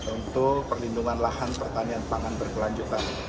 untuk perlindungan lahan pertanian pangan berkelanjutan